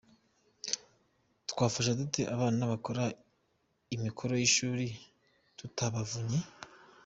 Twafasha dute abana gukora imikoro y’ishuri tutabavunnye?.